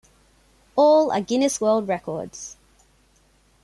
All are Guinness World Records.